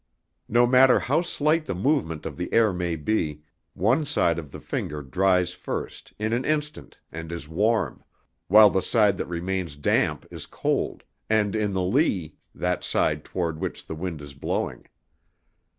No matter how slight the movement of the air may be, one side of the finger dries first, in an instant, and is warm, while the side that remains damp is cold, and in the lee, that side toward which the wind is blowing.